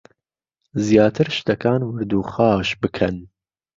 زیاتر شتەکان ورد و خاش بکەن